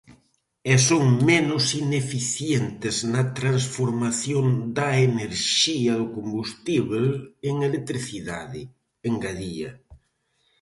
E son menos ineficientes na transformación da enerxía do combustíbel en electricidade, engadía.